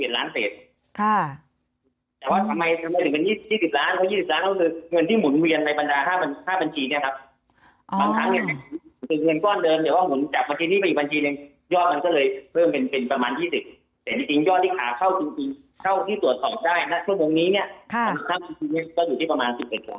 เอ่ออย่างไรมีถูกถูกอยู่หรอคะท่าน